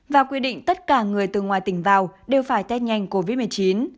và quy định tất cả người từ ngoài tỉnh vào đều phải test nhanh covid một mươi chín